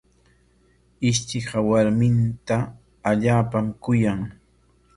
Ishtiqa warminta allaapam kuyan.